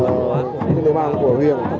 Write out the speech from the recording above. ở địa bàn của huyện